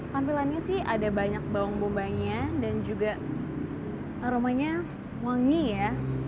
tampilannya sih ada banyak bawang bombanya dan juga aromanya wangi ya